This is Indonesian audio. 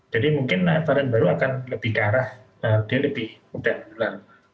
jadi mungkin varian baru akan lebih kearah dia lebih mudah menular